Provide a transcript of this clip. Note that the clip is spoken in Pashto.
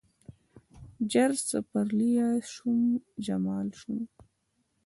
زر سپرلیه شوم، جمال شوم